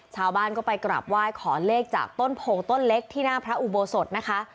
ชาวบ้านก็ไปกราบไหว้ขอเลขจากต้นโพงต้นเล็กที่หน้าพระอุโบสถนะคะ